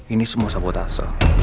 ini semua sabotase